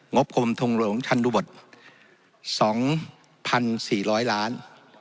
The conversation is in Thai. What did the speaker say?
งบของบำทงหลวงธรรมดุบัติ๒๔๐๐ล้าน